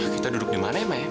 kita duduk dimana ya mbak